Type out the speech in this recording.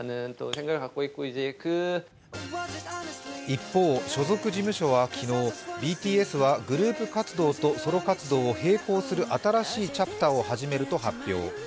一方、所属事務所は昨日ＢＴＳはグループ活動とソロ活動を平行する新しいチャプターを始めると発表。